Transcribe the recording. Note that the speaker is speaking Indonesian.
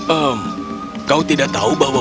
ehm kau tidak tahu bahwa